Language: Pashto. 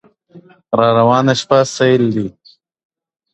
• را روان په شپه كــــي ســـېــــــل دى.